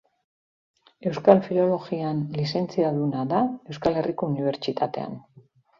Euskal Filologian lizentziaduna da Euskal Herriko Unibertsitatean.